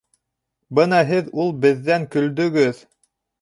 Бына һеҙ ул беҙҙән көлдөгөҙ.